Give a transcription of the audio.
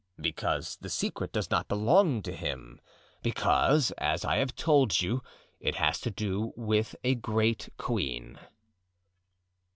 "Because the secret does not belong to him; because, as I have told you, it has to do with a great queen."